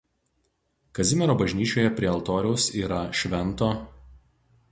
Kazimiero bažnyčioje prie altoriaus yra šv.